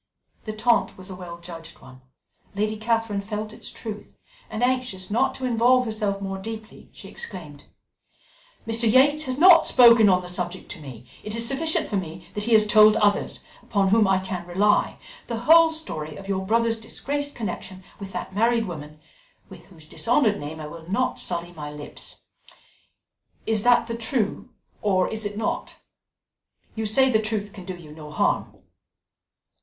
The taunt was a well judged one; Lady Catherine felt its truth, and anxious not to involve herself more deeply, she exclaimed: "Mr. Yates has not spoken on the subject to me; it is sufficient for me that he has told others, upon whom I can rely, the whole story of your brother's disgraced connection with that married woman, with whose dishonoured name I will not sully my lips is that the true, or is it not? You say the truth can do you no harm."